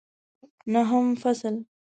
نهم فصل